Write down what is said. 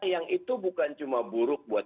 yang itu bukan cuma buruk buat